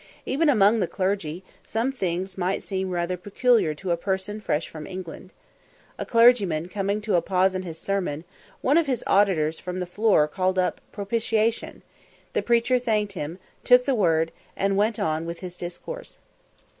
Even among the clergy, some things might seem rather peculiar to a person fresh from England. A clergyman coming to a pause in his sermon, one of his auditors from the floor called up "Propitiation;" the preacher thanked him, took the word, and went on with his discourse.